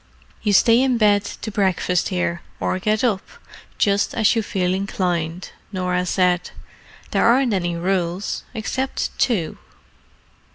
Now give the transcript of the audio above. "You stay in bed to breakfast here, or get up, just as you feel inclined," Norah said. "There aren't any rules except two."